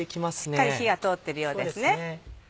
しっかり火が通ってるようですね。